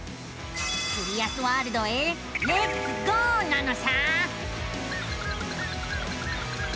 キュリアスワールドへレッツゴーなのさあ。